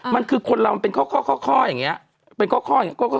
มันคือคนเรามันเป็นข้ออย่างนี้เป็นข้ออย่างนี้